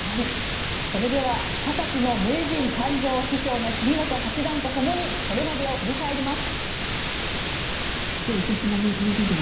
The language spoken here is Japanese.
それでは２０歳の名人誕生師匠の杉本八段とともにこれまでを振り返ります。